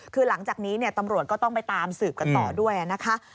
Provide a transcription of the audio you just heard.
คือหลังจากนี้ตำรวจก็ต้องไปตามสืบกันต่อด้วยนะคะ